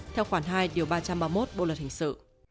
theo khoản hai điều ba trăm ba mươi một bộ luật hình sự